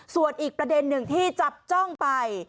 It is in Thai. ส่วนอีกประเด็นหนึ่งที่จับจ้องไป